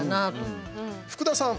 福田さん。